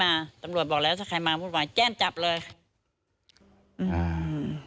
ตำรวจบอกแล้วถ้าใครมาวุ่นวายแจ้งจับเลยอ่า